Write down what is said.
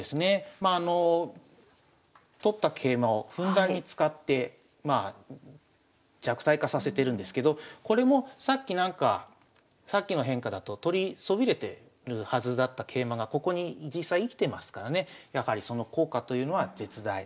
まああの取った桂馬をふんだんに使ってまあ弱体化させてるんですけどこれもさっきなんかさっきの変化だと取りそびれてるはずだった桂馬がここに実際生きてますからねやはりその効果というのは絶大。